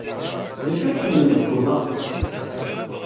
D acu ay tḥemmlem deg twennaḍt?